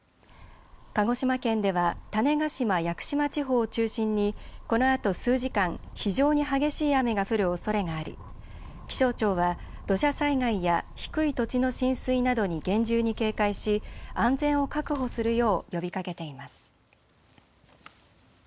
鹿児島県では種子島・屋久島地方を中心にこのあと数時間非常に激しい雨が降るおそれがあり気象庁は土砂災害や低い土地の浸水などに厳重に警戒し安全を確保するよう呼びかけています。